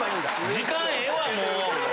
時間ええわもう。